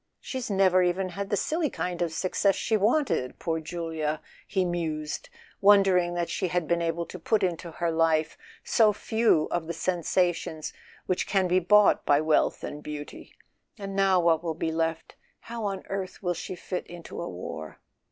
"She's never even had the silly kind of success she wanted—poor Julia !" he mused, wondering that she had been able to put into her life so few of the sen¬ sations which can be bought by wealth and beauty. "And now what will be left—how on earth will she fit into a war